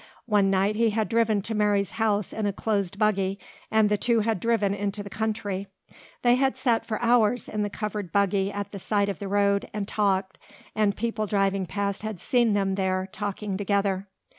One night he had driven to Mary's house in a closed buggy and the two had driven into the country. They had sat for hours in the covered buggy at the side of the road and talked, and people driving past had seen them there talking together.